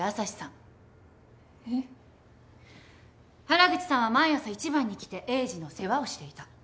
原口さんは毎朝一番に来て栄治の世話をしていた。